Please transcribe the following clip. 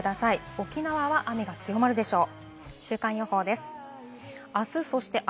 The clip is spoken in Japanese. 沖縄は雨が強まるでしょう。